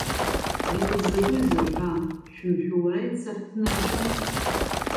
Иҟаз закәи зырҳәа, шәымҳәуа, иац аҳҭынраҿы?